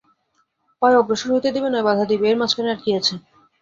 হয় অগ্রসর হইতে দিবে, নয় বাধা দিবে, এর মাঝখানে আর কী আছে?